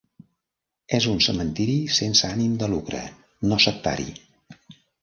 És un cementiri sense ànim de lucre, no sectari.